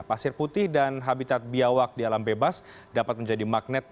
pasir putih dan habitat biawak di alam bebas dapat menjadi magnet